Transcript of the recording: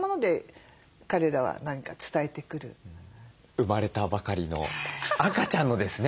生まれたばかりの赤ちゃんのですね